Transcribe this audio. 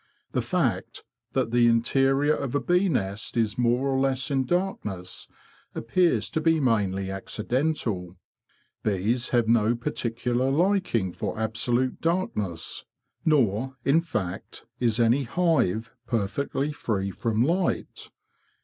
The fact that the interior of a bee nest is more or less in darkness appears to be mainly accidental. Bees have no particular lik ing for absolute darkness, nor, in fact, is any hive perfectly free from light.